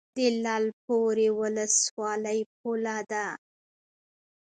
د لعل پورې ولسوالۍ پوله ده